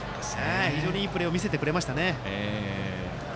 非常にいいプレーを見せてくれましたね。